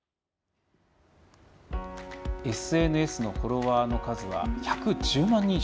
ＳＮＳのフォロワーの数は１１０万人以上。